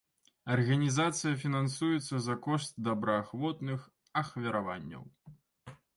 Арганізацыя фінансуецца за кошт добраахвотных ахвяраванняў.